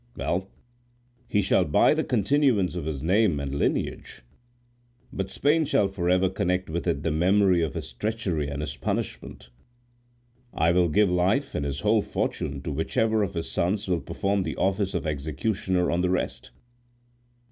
Well, he shall buy the continuance of his name and lineage, but Spain shall forever connect with it the memory of his treachery and his punishment. I will give life and his whole fortune to whichever of his sons will perform the office of executioner on the rest.